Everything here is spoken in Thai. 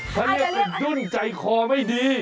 ถ้าเรียกเป็นรุ่นใจคอไม่ดี